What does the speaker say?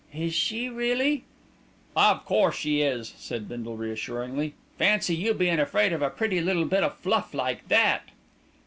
"Is she really ?" "Of course she is," said Bindle reassuringly. "Fancy you bein' afraid of a pretty little bit o' fluff like that."